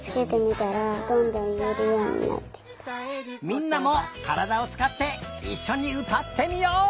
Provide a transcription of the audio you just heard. みんなもからだをつかっていっしょにうたってみよう！